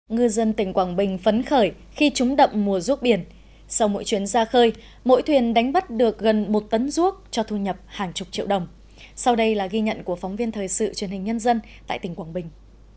ngư dân tỉnh quảng bình phấn khởi khi trúng đậm mùa ruốc biển sau mỗi chuyến ra khơi mỗi thuyền đánh bắt được gần một tấn ruốc cho thu nhập hàng chục triệu đồng sau đây là ghi nhận của phóng viên thời sự truyền hình nhân dân tại tỉnh quảng bình